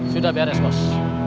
sudah beres bos